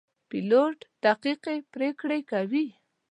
پیلوټ دقیقې پرېکړې کوي.